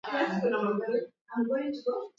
Aiegesha gari sehemu ya kuegeshea magari ya jengo hilo